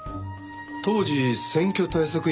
当時選挙対策委員長だった鑓